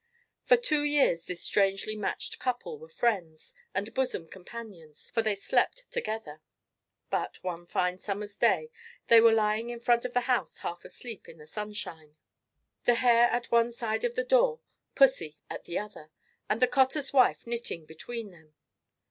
For two years this strangely matched couple were friends, and bosom companions, for they slept together. But, one fine summer's day they were lying in front of the house half asleep in the sunshine, the hare at one side of the door, pussy at the other, and the cottar's wife knitting between them.